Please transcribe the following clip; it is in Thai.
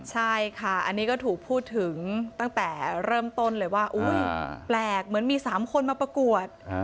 ใช่ค่ะอันนี้ก็ถูกพูดถึงตั้งแต่เริ่มต้นเลยว่าแปลกเหมือนมี๓คนมาประกวด